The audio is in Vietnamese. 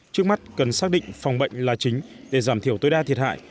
trước mắt cần xác định phòng bệnh là chính để giảm thiểu tối đa thiệt hại